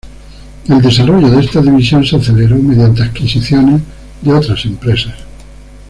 El desarrollo de esta división se aceleró mediante adquisiciones de otras empresas.